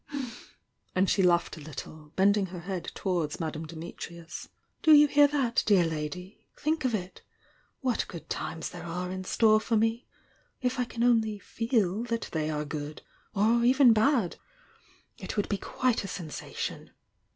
and she laughed a litUe, bendmg her head towards Madame Dimitrius. "Do you hear that, dear lady? Think of it! What good tunes there are in store for me! If I can only 'feel' that they are good! — or even bad! — it would be quite a ■ensation!"